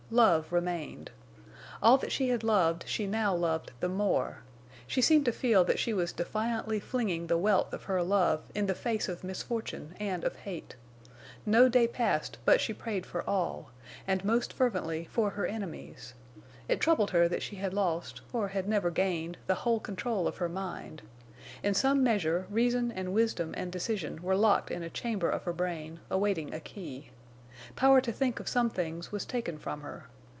Love remained. All that she had loved she now loved the more. She seemed to feel that she was defiantly flinging the wealth of her love in the face of misfortune and of hate. No day passed but she prayed for all—and most fervently for her enemies. It troubled her that she had lost, or had never gained, the whole control of her mind. In some measure reason and wisdom and decision were locked in a chamber of her brain, awaiting a key. Power to think of some things was taken from her.